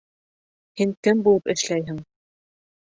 Һин кем булып эшләйһең?